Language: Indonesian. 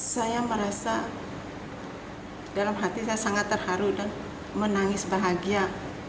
saya merasa dalam hati saya sangat terharu dan menangis bahagia